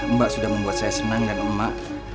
mbak sudah menemukan saya senang dengan emak